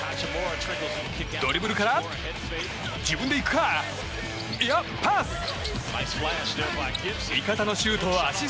ドリブルから自分で行くかいや、パス！